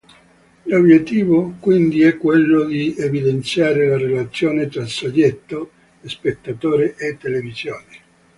L'obiettivo, quindi, è quello di evidenziare la relazione tra soggetto, spettatore e televisione.